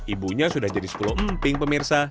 ibunya sudah jadi sepuluh emping pemirsa